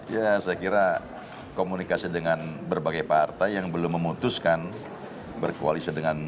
ya saya kira komunikasi dengan berbagai partai yang belum memutuskan berkoalisi dengan